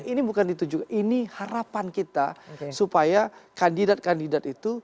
ini bukan ditunjukkan ini harapan kita supaya kandidat kandidat itu